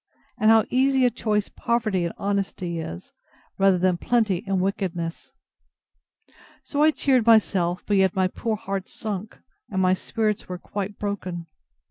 And how easy a choice poverty and honesty is, rather than plenty and wickedness. So I cheered myself; but yet my poor heart sunk, and my spirits were quite broken.